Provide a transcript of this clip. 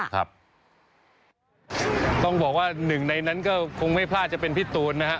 ต้องบอกว่าหนึ่งในนั้นก็คงไม่พลาดจะเป็นพี่ตูนนะฮะ